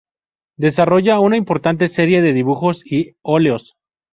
Desarrolla una importante serie de dibujos y óleos.